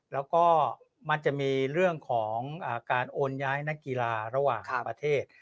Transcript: แล้วก็มันจะมีเรื่องของการโอนย้ายนักกีฬาระหว่างประเทศ